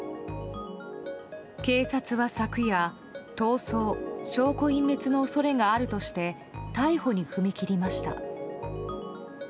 警察は昨夜、逃走・証拠隠滅の恐れがあるとして逮捕に踏み切りました。